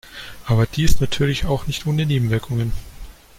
Aber die ist natürlich auch nicht ohne Nebenwirkungen.